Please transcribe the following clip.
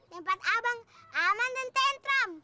tempat abang aman dan tentram